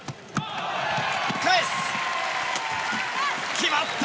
決まった！